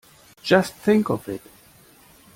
Just think of it!